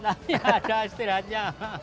tapi ada istirahatnya